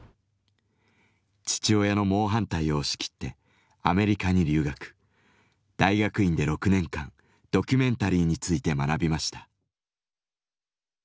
父親の猛反対を押し切ってアメリカに留学大学院で６年間ドキュメンタリーについて学びました。